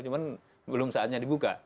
cuma belum saatnya dibuka